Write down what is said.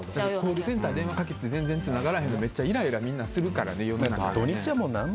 コールセンターに電話をかけて全然つながらへんのめっちゃイライラみんなするからね。